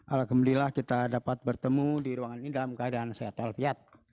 alhamdulillah kita dapat bertemu di ruangan ini dalam keadaan sehat alfiat